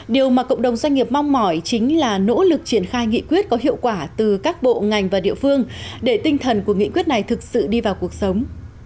điều mà cộng đồng doanh nghiệp mong mỏi chính là nỗ lực triển khai nghị quyết có hiệu quả từ các bộ ngành và địa phương để tinh thần của nghị quyết này thực sự đi vào cuộc sống